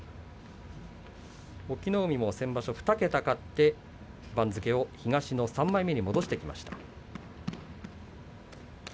隠岐の海も先場所、２桁勝って番付を東の３枚目に戻してきました。